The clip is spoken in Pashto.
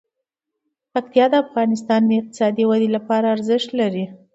پکتیا د افغانستان د اقتصادي ودې لپاره ارزښت لري.